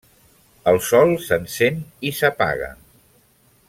El sol s'encén i s'apaga.